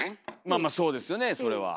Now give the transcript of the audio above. まあまあそうですよねそれは。